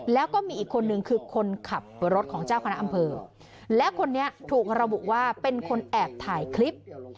แล้วก็มีอีกคนนึงคือคนขับรถของเจ้าคณะอำเภอและคนนี้ถูกระบุว่าเป็นคนแอบถ่ายคลิป